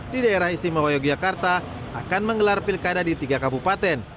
di daerah istimewa yogyakarta akan menggelar pilkada di tiga kabupaten